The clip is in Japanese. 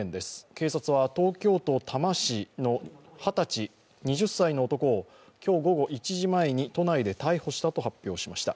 警察は東京都多摩市の二十歳の男を今日午後１時前に都内で逮捕したと発表しました。